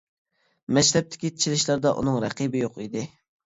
مەشرەپتىكى چېلىشلاردا ئۇنىڭ رەقىبى يوق ئىدى.